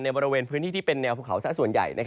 บริเวณพื้นที่ที่เป็นแนวภูเขาซะส่วนใหญ่